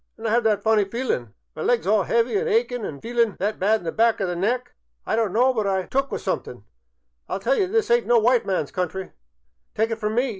An' I 'ave that funny feelin's, my legs all 'eavy an' achin' an' feelin' that bad in the back o' the neck I don't know but I 'm took with somethink. I '11 tell ye this ayn't no white man's country, tyke it from me.